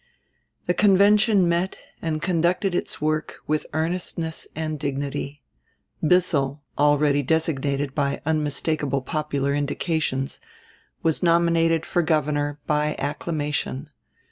The convention met and conducted its work with earnestness and dignity. Bissell, already designated by unmistakable popular indications, was nominated for governor by acclamation.